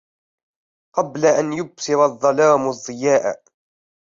قبل أن يبصر الظلام الضياء